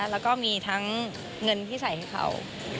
แล้วก็มีทั้งเงินที่ใส่ให้เขา